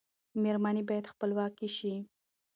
میرمنې باید خپلواکې شي.